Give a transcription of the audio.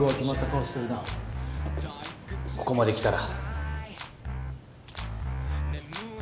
ここまで来たら。